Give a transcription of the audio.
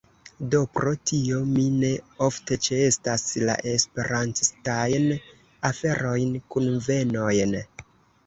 Do, pro tio mi ne ofte ĉeestas la Esperantistajn aferojn, kunvenojn